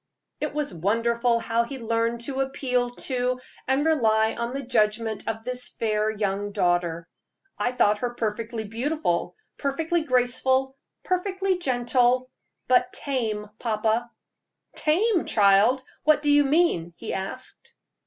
It was wonderful how he learned to appeal to and rely on the judgment of this fair young daughter. "I thought her perfectly beautiful, perfectly graceful, perfectly gentle, but tame, papa." "Tame, child! What do you mean?" he asked.